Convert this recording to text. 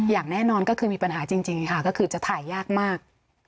อย่างแน่นอนก็คือมีปัญหาจริงค่ะก็คือจะถ่ายยากมาก